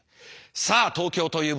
さあ東京という舞台だ！